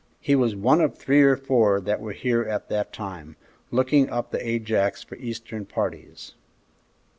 "He was one of three or four that were here at that time, looking up the Ajax for eastern parties."